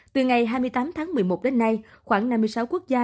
từ ngày hai mươi tám tháng một mươi một đến nay khoảng năm mươi sáu quốc gia